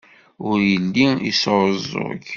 Ur yelli yesɛuẓẓug.